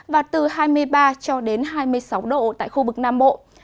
và từ hai mươi ba cho đến hai mươi sáu độ tại khu vực nam bộ